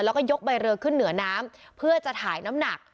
แล้วก็ยกใบเรือขึ้นเหนือน้ำเพื่อจะถ่ายน้ำหนัก